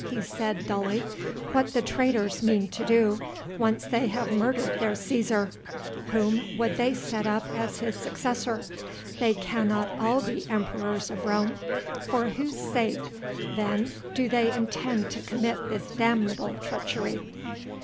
he said dully, "what the traitors mean to do once they have murdered their Cæsar. Whom would they set up as his successor? They cannot all be emperors of Rome. For whose sake then do they intend to commit this damnable treachery?"